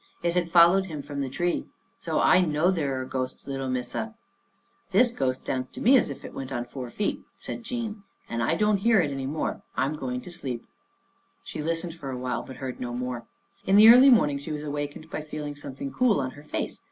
It had followed him from the tree. So I know there are ghosts, little Missa."' " This ghost sounds to me as if it went on four feet," said Jean. " And as I don't hear it any more I'm going to sleep." She listened for awhile, but heard no more. In the early morning she was awakened by feeling something cool on her face.